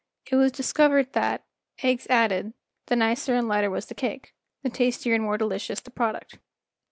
It was discovered that, eggs added, the nicer and lighter was the cake, the tastier and more delicious the product.